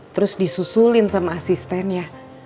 terus disusulin sama asistennya